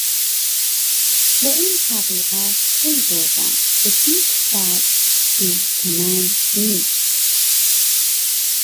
به این حقیقت پی بردم که هیچ کس دوست من نیست.